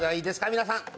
皆さん。